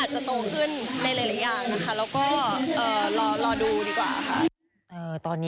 ใช่